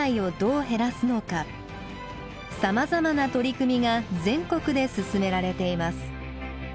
さまざまな取り組みが全国で進められています。